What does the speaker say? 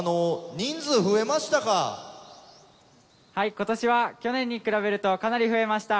今年は去年に比べるとかなり増えました。